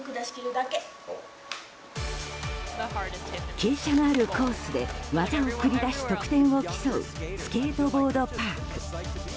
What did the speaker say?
傾斜があるコースで技を繰り出し得点を競うスケートボード・パーク。